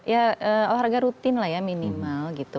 ya olahraga rutin lah ya minimal gitu